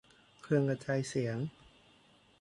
เครื่องกระจายเสียง